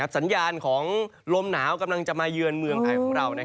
สัญญาณของลมหนาวกำลังจะมาเยือนเมืองไทยของเรา